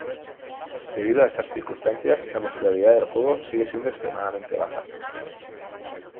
Debido a estas circunstancias, la popularidad del juego sigue siendo extremadamente baja.